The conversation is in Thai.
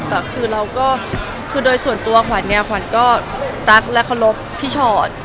แต่คือเราก็คือโดยส่วนตัวขวัญเนี่ยขวัญก็รักและเคารพพี่ชอต